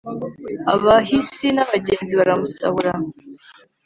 abahisi n'abagenzi baramusahura